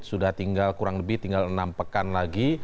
sudah tinggal kurang lebih tinggal enam pekan lagi